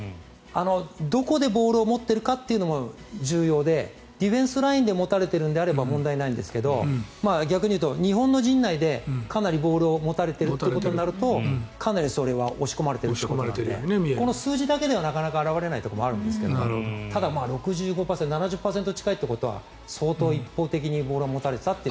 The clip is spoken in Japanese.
どこでボールを持っているかというのも重要でディフェンスラインで持たれてるのであれば問題ないんですが逆に言うと日本の陣内でかなりボールを持たれているということになるとかなりそれは押し込まれてるということになるのでこの数字だけではなかなか表れないところもあるんですがただ、６５％７０％近いということは相当、一方的にボールを持たれていたと。